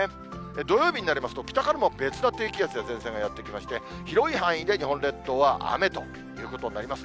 土曜日になりますと、北からも別な低気圧や前線がやって来まして、広い範囲で日本列島は雨ということになります。